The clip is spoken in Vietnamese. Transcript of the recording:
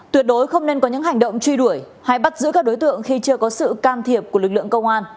tuyệt đối không nên có những hành động truy đuổi hay bắt giữ các đối tượng khi chưa có sự can thiệp của lực lượng công an